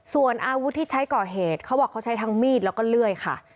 ส่วนอาวุธที่ใช้ก่อเหตุเขาบอกเขาใช้ทั้งมีดแล้วก็เลื่อยค่ะ